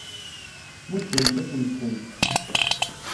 Muddent-asent-tent.